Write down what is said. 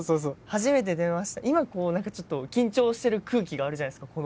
初めて電話した今こう何かちょっと緊張してる空気があるじゃないですか